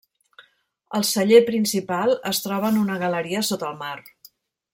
El celler principal es troba en una galeria sota el mar.